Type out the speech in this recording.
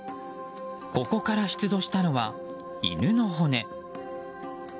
ここから出土したのは犬の骨。